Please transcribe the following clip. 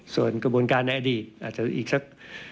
ส่วนกระบวนการในอดีตอาจจะอีกสัก